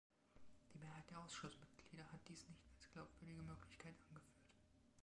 Die Mehrheit der Ausschussmitglieder hat dies nicht als glaubwürdige Möglichkeit angeführt.